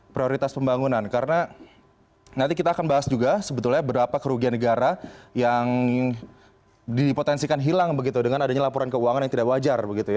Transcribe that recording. prioritas pembangunan karena nanti kita akan bahas juga sebetulnya berapa kerugian negara yang dipotensikan hilang begitu dengan adanya laporan keuangan yang tidak wajar